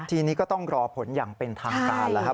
ทีนี้ก็ต้องรอผลอย่างเป็นทางการแล้วครับ